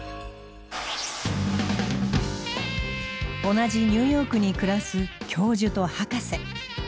同じニューヨークに暮らす教授とハカセ。